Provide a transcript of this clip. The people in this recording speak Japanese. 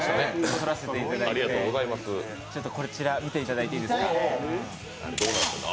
撮らせていただいて、こちら見ていただいていいですか？